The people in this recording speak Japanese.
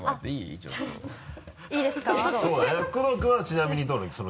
工藤君はちなみにどうなの？